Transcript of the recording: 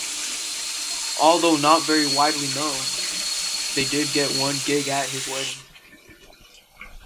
Although not very widely known, they did get one gig-at his wedding.